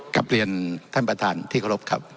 กลับเรียนท่านประธานที่เคารพครับ